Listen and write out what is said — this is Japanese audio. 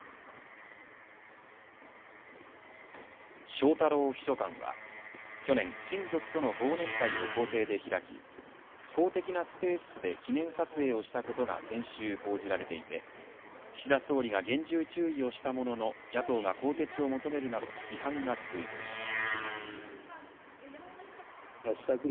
翔太郎秘書官は去年、親族との忘年会を公邸で開き公的なスペースで記念撮影をしたことが先週報じられていて岸田総理が厳重注意をしたものの野党が更迭を求めるなど批判が続いていました。